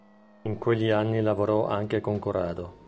In quegli anni lavorò anche con Corrado.